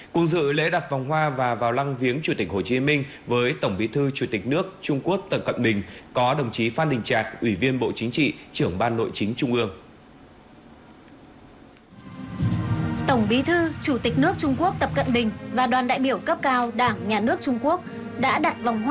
cùng dự lễ đặt vòng hoa và vào lăng viếng chủ tịch hồ chí minh với tổng bí thư chủ tịch nước trung quốc tập cận bình có đồng chí phan đình trạc ủy viên bộ chính trị trưởng ban nội chính trung ương